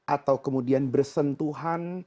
atau kemudian bersentuhan